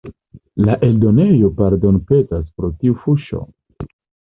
La eldonejo pardonpetas pro tiu fuŝo.